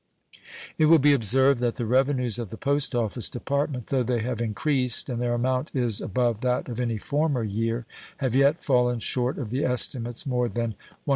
It will be observed that the revenues of the Post Office Department, though they have increased, and their amount is above that of any former year, have yet fallen short of the estimates more than $100,000.